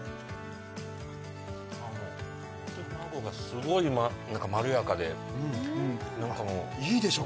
卵がすごいまろやかで「いいでしょう」